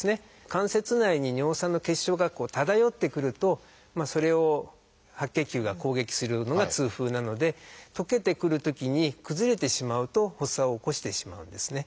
関節内に尿酸の結晶が漂ってくるとそれを白血球が攻撃するのが痛風なので溶けてくるときに崩れてしまうと発作を起こしてしまうんですね。